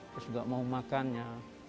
terus juga mau makannya